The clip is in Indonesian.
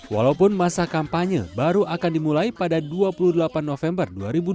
walaupun masa kampanye baru akan dimulai pada dua puluh delapan november dua ribu dua puluh